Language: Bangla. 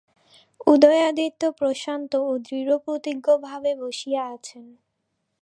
উদয়াদিত্য প্রশান্ত ও দৃঢ়প্রতিজ্ঞ ভাবে বসিয়া আছেন।